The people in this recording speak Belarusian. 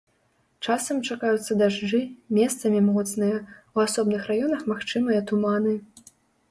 Часам чакаюцца дажджы, месцамі моцныя, у асобных раёнах магчымыя туманы.